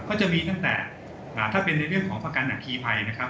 ก็จะมีตั้งแต่ถ้าเป็นในเรื่องของประกันอัคคีภัยนะครับ